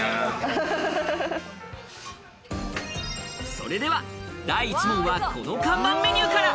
それでは第１問は、この看板メニューから。